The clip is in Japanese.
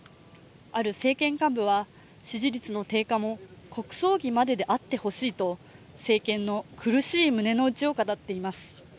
ある政権幹部は、支持率の低下も国葬儀までであってほしいと政権の苦しい胸のうちを語っています。